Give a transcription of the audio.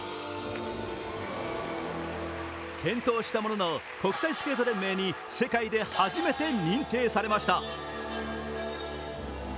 転倒したものの、国際スケート連盟に世界で初めて認定されました。